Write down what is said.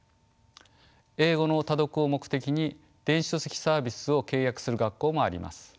英語の多読を目的に電子書籍サービスを契約する学校もあります。